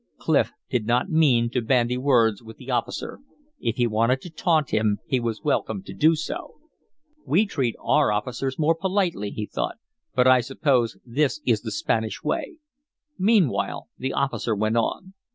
Clif did not mean to bandy words with the officer; if he wanted to taunt him he was welcome to do so. "We treat our prisoners more politely," he thought, "but I suppose this is the Spanish way." Meanwhile the officer went on.